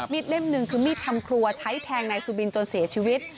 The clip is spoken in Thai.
เล่มหนึ่งคือมีดทำครัวใช้แทงนายสุบินจนเสียชีวิต